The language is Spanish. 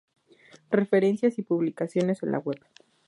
Referencias y publicaciones en la Web